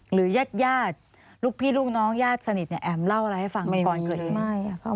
หรือญาติลูกพี่ลูกน้องญาติสนิทเนี่ยแอ๋มเล่าอะไรให้ฟังก่อนเกิดเหตุ